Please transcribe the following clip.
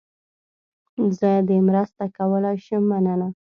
زه دې مرسته کولای شم، مننه.